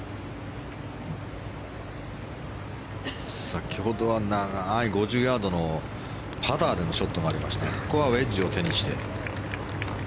先ほどは長い５０ヤードのパターでのショットがありましたがここはウェッジを手にして。